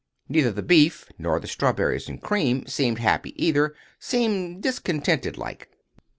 Neither the beef nor the strawberries and cream seemed happy, either—seemed discontented like.